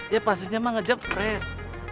ya pastinya mah ngejepret